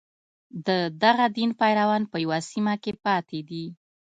د دغه دین پیروان په یوه سیمه کې پاتې دي.